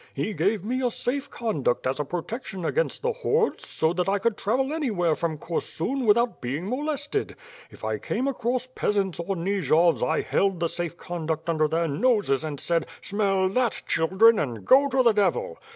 He gave me a safe conduct as a protection against the hordes so that I could travel any where from Korsun without being molested. If I came across peasants or Nijovs I held the safe conduct under their noses and said, 'Smell that, children, and go to the devil.'